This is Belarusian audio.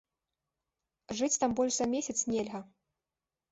Жыць там больш за месяц нельга.